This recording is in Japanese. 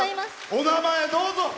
お名前、どうぞ。